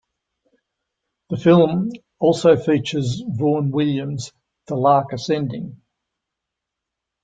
The film also features Vaughan Williams's "The Lark Ascending".